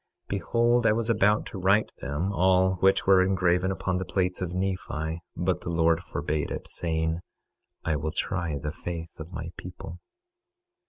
26:11 Behold, I was about to write them, all which were engraven upon the plates of Nephi, but the Lord forbade it, saying: I will try the faith of my people.